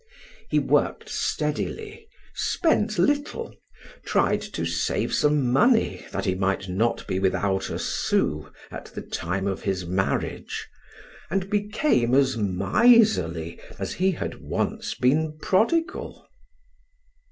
He worked steadily, spent little, tried to save some money that he might not be without a sou at the time of his marriage, and became as miserly as he had once been prodigal.